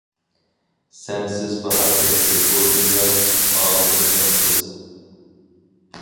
سەنسىز باھار كەتتى بۇ كۈنلەر ئاغۇدىن تەمسىز.